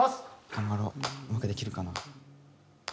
頑張ろううまくできるかな？